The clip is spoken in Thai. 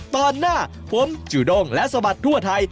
ตอนหน้าผมจูด้งและสะบัดทั่วไทย